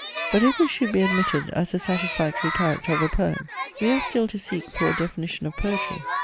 But if this should be admitted as a satisfactory character of a poem, we have still to seek for a definition of poetry.